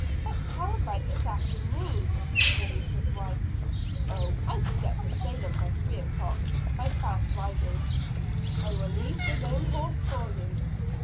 "But how about this afternoon?" queried his wife. "Oh, I can get to Salem by three o'clock, by fast riding. I will leave the roan horse for you."